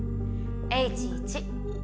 Ｈ１。